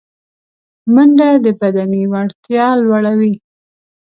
منډه د بدني وړتیا لوړوي